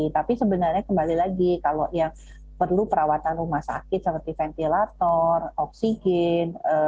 tapi sebenarnya kembali lagi kalau yang perlu perawatan rumah sakit seperti ventilator oksigen